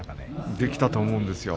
できたと思うんですよ。